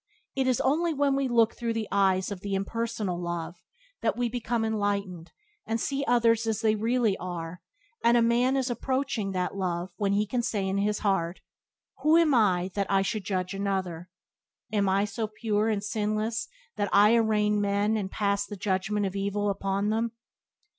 It is only when we look through the eyes of Impersonal Love that we become enlightened, and see others as they really are; and a man is approaching that Love when he can say in his heart: "Who am I that I should judge another? Am I so pure and sinless that I arraign men and pass the judgment of evil upon them?